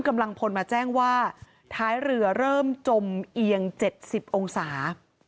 กำลังพลมาแจ้งว่าท้ายเรือเริ่มจมเอียง๗๐องศา